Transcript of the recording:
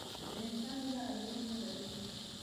د انسان وینه ارزښت نه لري